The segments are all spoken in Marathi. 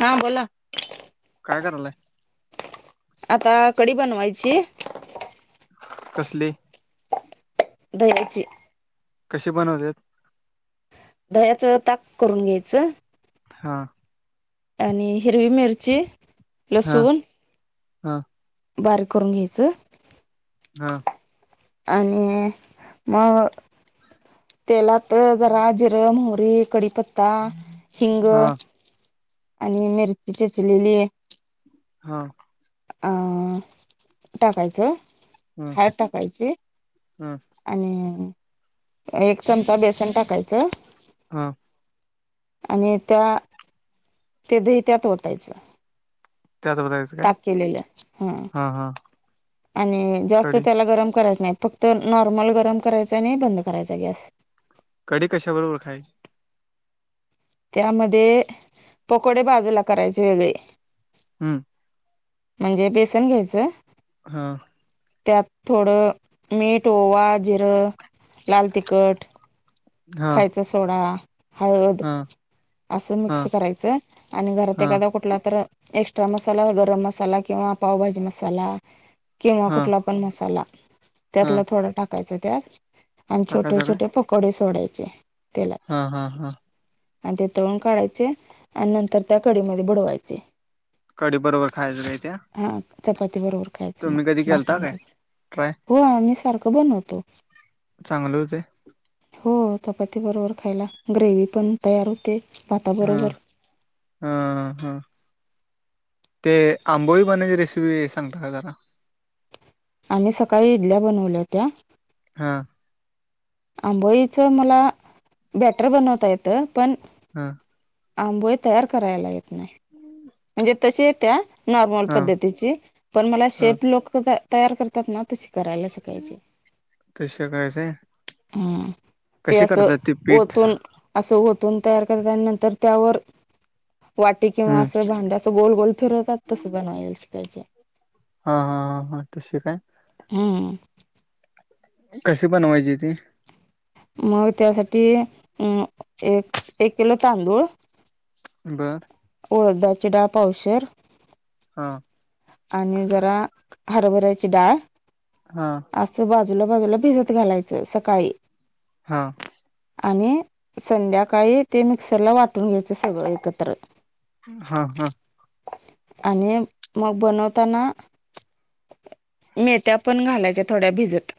हा बोला काय करायलय? आता कढी बनवायची. कसली? दह्याची. कशी बनवतात? दद्याच ताक करून घ्यायचं. हा आणि हिरवी मिरची, लसूण हां बारीक करून घ्यायचं. हां आणि मग तेलात जरा जिरं मोहरी आणि कढीपत्ता हिंग. हा आणि मिरची चिरलेली हां अ टाकायचं. हम्म हळद टाकायची हम्म आणि एक चमचा बेसन टाकायचं. हा आणि त्या ते दही त्यात ओतायचं. त्यात बघायचं काय ताक केलेलं हम. हा हा आणि जास्त कडी त्याला गरम करायच नाही फक्त नॉर्मल गरम करायच, आणि बंद करायचा गॅस. कढी कशा बरोबर खायची? त्यामध्ये पकोडे बाजूला करायचे वेगळे. हम. म्हणजे बेसन घ्यायचं. हा. त्यात थोडं मीठ, ओवा, जिरं, लाल तिखट हा खायचा सोडा हळद हा असं हा मिक्स करायचंय, आणि घरात हा एखादा कुठला तर एक्स्ट्रा मसाला गरम मसाला किंवा पावभाजी मसाला किंवा हा कुठला पण मसाला हा त्यातला थोडा टाकायच त्यात. आणि छोटे टाकायचं काय छोटे पकोडे सोडायचे. तेलात हा हा हा. आणि ते तळून काढायचे आणि नंतर त्या कडीमध्ये बुडवायचे. कडी बरोबर खायचं काय त्या हा चपाती बरोबर खायचं मग. तुम्ही कधी भाता केलता काय बरोबर. ट्राय हो आम्ही सारखं बनवतो. चांगल हुतंय? हो चपाती बरोबर खायला ग्रेवीही पण तयार होते. हा भाताबरोबर हा हा ते आंबोळी बनण्याची रेसिपी सांगता का जरा आम्ही सकाळी इडल्या बनवल्या होत्या. हा. आंबोळीचं मला बॅटर बनवता येतं पण हा. आंबोळे तयार करायला येत नाही. त्या नॉर्मल हा पद्धतीची. पण मला हा शेप लोकं तयार करतात ना तशी करायला शकायचे. तसे करायचंय ह ते कशी असं करतात ते पीठ ओतून असं होत दोन तयार करता आणि नंतर त्यावर वाटी किंवा हम्म अस अस भांड असं गोल गोल फिरवतात तस बनवाईल शिकायचे. हा हा हा हा तशी काय? हम्म कशी बनवायची ती? मग त्यासाठी अं एक-एक किलो तांदूळ बरं. उ डदाळदची डाळ पावशेर. हा. आणि जरा हरभऱ्याची डाळ. हा असं बा बाजूला बाजूला भिजत घालायचं सकाळी. हा. आणि संध्याकाळी ते मिक्सरला वाटून घ्यायचं सगळं एकत्र. हा हा. आणि मग बनवताना. मेथ्या पण घालायच्या थोड्या भिजत.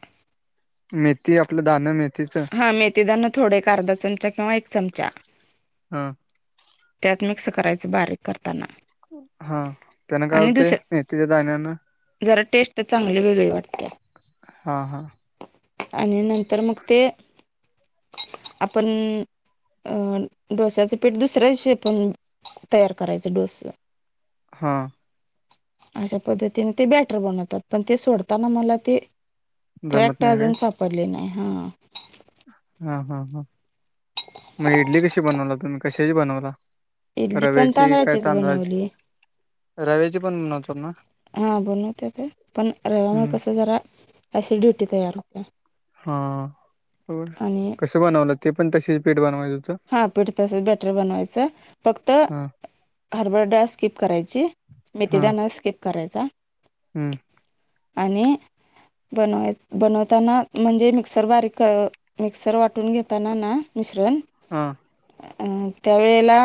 मेथी आपलं दानं मेथ हा मेथीदान थोडे एक अर्धा चमचा किंवा एक चमचा. त्यात मिक्स करायच बारीक कर. हा त्यांन काय आणि होतय दुसऱ्या मेथीच्या दाण्यान. जरा टेस्ट चांगली वेगळी वाट. हा हा. आणि नंतर मग ते हम आपण अं डोस्याचं पीठ दुसऱ्या दिशी पण तयार करायचं डोसं. हा. अशा पद्धतीने ते बॅटर बनवतात. पण ते सोडताना मला ते जमत ट्रॅक्ट नाही काय अजून सापडली नाही हा. हा हा हा मग इडली कशी बनवला तुम्ही कशाची बनवला? इडली पण रव्याची काय तांदळाचीच तांदळाची बनवली. रव्याची पण बनवतात ना हा बनवत्या ते, पण रव्यामुळ हम्म कसं जरा? अशी ड्युटी तयार होतीया. हा बर कसं बनवलं? ते पण तशी पीठ बनवायच. हा पिठ तसच बॅटर बनवायचं, फक्त हा हरभरा डाळ स्किप करायची, मेथिदाना स्किप करायचा. हुं आणि अ बनवाय बनवताना म्हणजे मिक्सर बारीक करा मिक्सर वाटून घेताना ना मिश्रण हां. अ त्यावेेळेला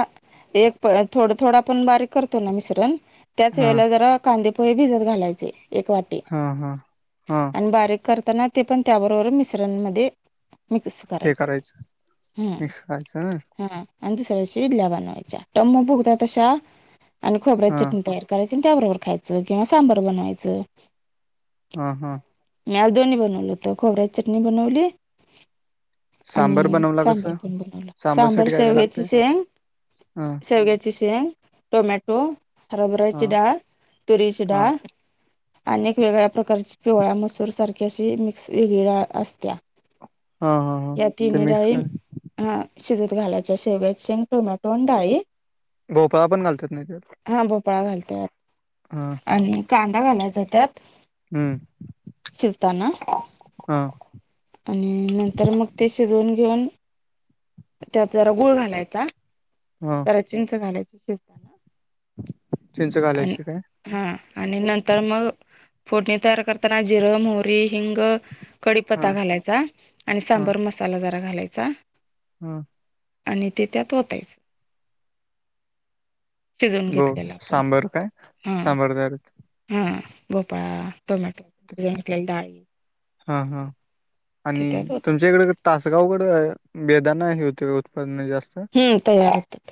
एक थोडं थोडं आपण बारीक करतो ना मिश्रण. त्याच हा वेळेला जरा कांदेपोहे भिजत घालायचे, एक वाटी हा हा हा आणि बारीक. करताना ते पण त्याबरोबर मिश्रणमध्ये मिक्स करायचं. खायच नाही. हा आणि दुसऱ्या दिवशी इडल्या बनवायच्या. टम्म फुगतात अशा आणि खोबऱ्याची हा चटणी तयार करायची. तिन त्याबरोबर खायचं किंवा सांबर बनवायचं. हां. हां. मी आज दोन्ही बनवलं होत. खोबऱ्याची चटणी बनवली सांबर बनवला कसं? तेण बनवला. सांबर सांबरसाठी काय काय लागते शेवग्याची शेंग, हा शेवग्याची शेंग टोमॅटो हा हरबऱ्याची डाळ, तुरीची हा डाळ आणि एक वेगळ्या प्रकारची पिवळ्या मसूर सारखी, अशी मिक्स वेगळी डाळ असतिया. हा. हा. हा. ते मिक्स कराय हा शिजत घालायचं शेवग्याची शेंग, टोमॅटो आणि डाळी. भोपाळा पण घालत्यात माहिताय? पळा घालत्यात आणि कांदा घालायचा त्यात. हम्म शिजताना हा. आणि नंतर मग ते शिजउन घेऊन त्यात जरा गुळ घालायचा. हा जरा चिंच घालाय चिंच आणि घालायची काय हा आणि नंतर मग फोडणी तयार करताना जिरं, मोहरी, हिंग हा कडीपत्ता घालायचा आणि सांबर मसाला जरा घालायचा. हम्म. आणि ते त्यात वतायच. शिजउन ब घेतलेलं आपण. सांबर काय हा सांबर तयार होते. हा ब पळा टोमॅटो, अजुन काय डाळ. हा हा आणि ओतायचं तुमच्याइकड कसं तासगावक बेदाण हे हुतय ओ उत्पन्न जास्त हम्म तयार होतात.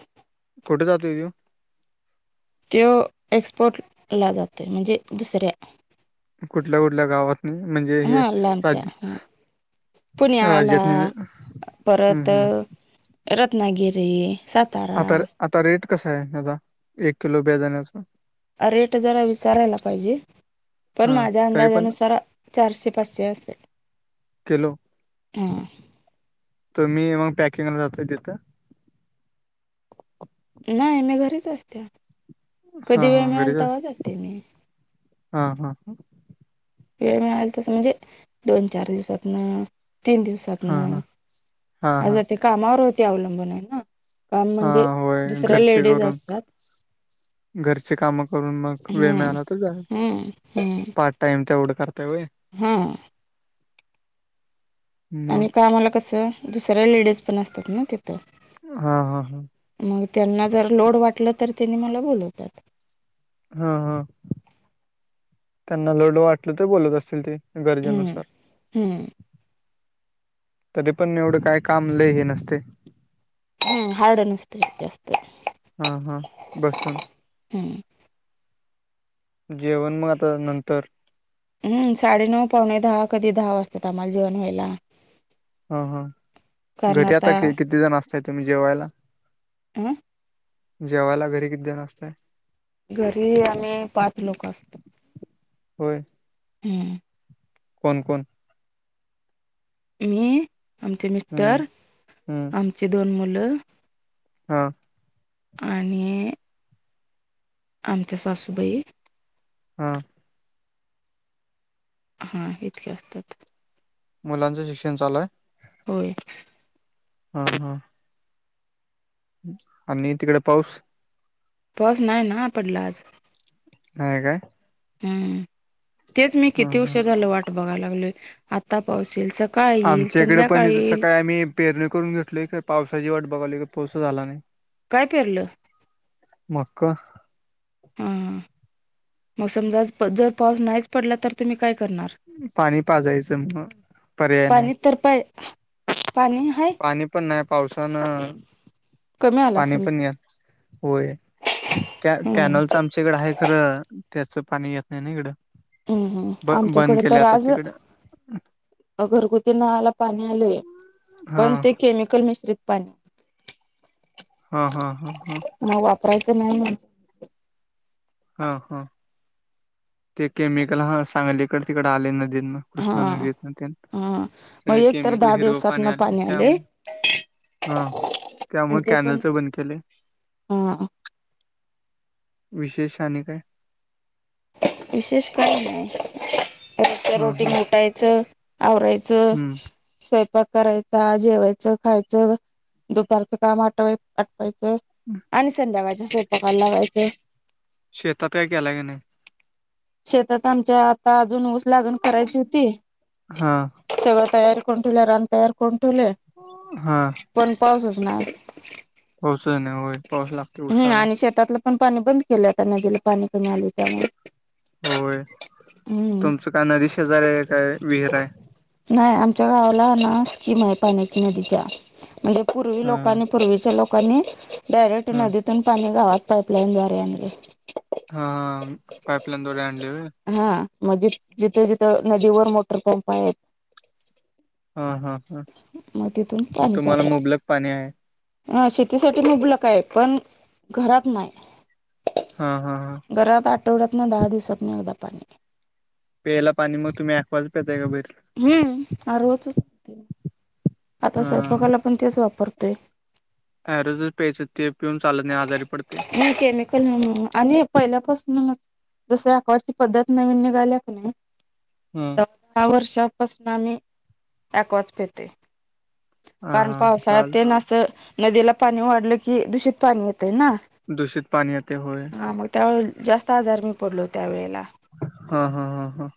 कुठ जातोय त्यो? त्यो एक्सपोर्ट ला जातोय म्हणजे दुसऱ्या कुटल्या कुटल्या गावातनी म्हणजे हे हा लांबच्या राज्य हा पुण्याला राज्यात परत अ रत्नागिरी आता सातारा रे आता रेट कसाय हेजा एक किलो बेदाण्याचा अ रेट जरा विचारायला पाइजे पण हा माज्या तरी पण अंदाजानुसार चारशे, पाचशे असेल. किलो हा तुमी पॅकिंगला जाताय तित? न्हाय मी घरीच असते, हा कदी वेळ हा मिळल घरीच तवा असतो जाते मी. हा, हा! वेळ मिळाल तसं, म्हणजे दोन चार दिवसातन. तीन हा दिवसातन हा हा आ हा जते कामावर होते अवलंबून हाय ना काम हा म्हणजे दुसऱ्या लेडीज असतात. घरची काम करून मग, वेळ हम्म मिळाला तर जायच हम्म हम्म पार्ट टाइम तेवड कर हा! मग आणि कामाला कस, दुसऱ्या लेडीज पण असत्यात ना तित हा हा हा मग तेना जर लोड वाटलं तर तेनी मला बोलवत्यात. हा हा तेना लोड वाटलं तर, बोलवत असतील ते. हूं गरजेनुसार हूं! तरी पण एवड काय काम, लई हे नसतय हम हार्ड नस्तय जास्त. हा हा बसून. हम्म जेवण म आता नंतर ह साडेनऊ पावणे धा कदी धा वाजत्यात आमाला जेवण व्हायला. हा घरी आता कित किती जण असताय तुमी जेवायला? [inaudible] जेवायला घरी किती जन असताय? घरी आमी पाच लोकं असतो. होय. हूं! कोण? मी आमचे हम्म मिस्टर, हम्म आमची दोन मुलं, हा! आणि आमच्या सासूबई. [inaudible] हा इतके असतात. मुलांचं शिक्षण चालूआय? होय. हा! आणि तिकडे पाऊस? पाऊस नाही ना पडला आज. नाह काय? हूं तेच मी हा किती हा ऊशीर झालं वाट बघाय लागलोय आता पावस ईल सक आमच्या इकडं पण ईथ सकाय आम्ही पेरणी करून घेतलोय काय पावसाची वाट बघाली पऊसच आला नाही. काय पेरलं? मका. हा मग समजा जर पाऊस नाहीच पडला तर तुम्ही काय णार, पाणी पाजायचं मग पर्याय नाही. पाणी तर पाय पाणी हाय. पावसान कमी आला असेल म होय. त्या कॅनलचं आमच्या इकडं आहे खरं, त्याच पाणी येत नाही ना इकडं, हम हम्म, ब बंद आमच्याकडे केले तर आता आज तिकडं घरगुती नळाला पाणी आलंय. हा पण ते केमिकल मिश्रित पाणी हा हा हा हा. प्रयत नाही आहे हा हा, ते केमिकल हा सांगलीकडं तिकडं आलेलं. हा कृष्णा नदीेतनं तेन, हा मग सगळं एक तर केमिकल दहा हिरवं दिवसात पाणी न आले त्यामु हा, आणि त्यामुळे ते पण कॅनलच बंद केलय. हा विशेष आणि काय? विशेष काय नाही, रोजच हा हा रूटीनन ऊटायचं आवरायचं, हम्म स्वयंपाक करायचा, जेवायचं, खायचं, दुपारचं काम आठवाय आणि संध्याकाळचं स्वयंपाकाला लागायचं. शेता काही केलाय काय नाही? शेतात आमच्या आता अजून ऊस लागण करायची हुती, हा सगळं तयार करून ठेवल्या, रान तयार करुन ठेवलय, पण पाऊसच नाय आजून. पाऊसच नाही होय, पाऊस लागतेय उसाला. आणि शेतातलं पण पाणी बंद केलंय आता, नदीला पाणी कमी आलय त्यामुळ. होय, तुमचं काय नदी शेजारी हाय, काय विहिराय. आच्या गावाला ना स्कीम आय, पाण्याच्या नदीच्या म्हणजे पूर्वी हा लोकांनी पूर्वीच्या लोक कोणी डैरेक्ट हा नदी तुन पनी गावात पैप लईन द्वारे आणलय. हाहह पईप लाईनद्वारे आणलंय वय? मजे जिथं, जिथं नदीवर मोटरपंप आहेत हा हा मग तिथून हा, तुम्हाला मुबलक पाणी हाय? ह शेतीसाठी मुबलक हाय, पण घरात नाहीं. हा हा हा. आठवड्यात नं, दहा दिवसातन ऐगदा पाणी. प्यायला पाणी मग तुम्ही यॅकवाज प्याताय का? हम्म. आरोच. आता स्वयंपाकाला पण तेच वापरतोय. अँरोजच प्यायच ते पिऊन चालत नाही आजारी पडतय. नाही केमिकल आणि पहिल्यापासून जस अँकवाची पद्धत नवीन निघाल्या कने हा सहा वर्षापासून आम्ही अँकवाच पितोय. कारण हा पावसाळ्यात चाल ते ना असं नदीला पाणी वाढलं कि दूषित पाणी येत. दूषित पाणी येते होय हा मग त्यावे जास्त आजार मी पडलो त्या वेळेला. हा हा हा हा.